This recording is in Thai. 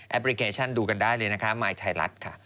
พลิเคชันดูกันได้เลยนะคะมายไทยรัฐค่ะ